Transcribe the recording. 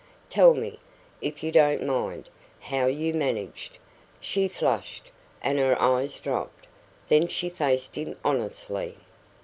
Tell me, if you don't mind, how you managed?" She flushed, and her eyes dropped; then she faced him honestly.